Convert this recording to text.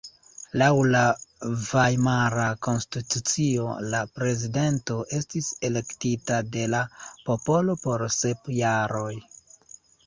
Laŭ la Vajmara Konstitucio la prezidento estis elektita de la popolo por sep jaroj.